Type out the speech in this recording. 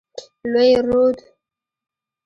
لوی رود.